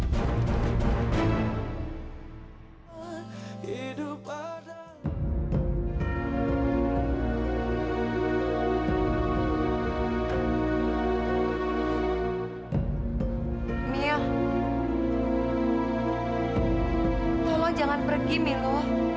tolong jangan pergi milo